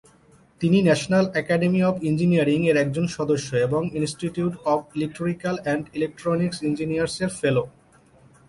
তিনি National Academy of Engineering এর একজন সদস্য এবং Institute of Electrical and Electronics Engineers এর ফেলো।